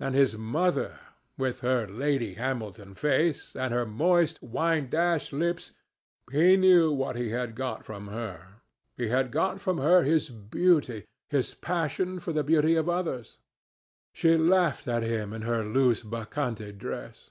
And his mother with her Lady Hamilton face and her moist, wine dashed lips—he knew what he had got from her. He had got from her his beauty, and his passion for the beauty of others. She laughed at him in her loose Bacchante dress.